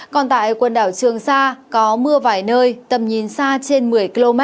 còn tại quần đảo trường sa có mưa vài nơi tầm nhìn xa trên một mươi km